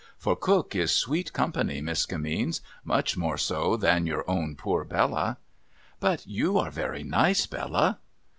For Cook is sweet company. Miss Kimmeens, much more ^o than your own poor Bella.' ' But you are very nice, Bella.'